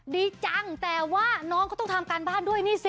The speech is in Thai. ดีจังแต่ว่าน้องเขาต้องทำการบ้านด้วยนี่สิ